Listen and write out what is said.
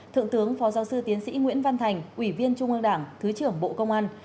thượng tướng phó giáo sư tiến sĩ nguyễn văn thành ủy viên trung ương đảng thứ trưởng bộ công an